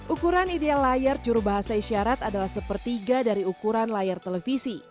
ukuran ideal layar juru bahasa isyarat adalah sepertiga dari ukuran layar televisi